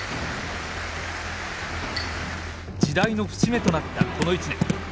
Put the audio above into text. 時代の節目となったこの一年。